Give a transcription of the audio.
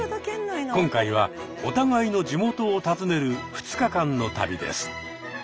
今回はお互いの地元を訪ねる２日間の旅です。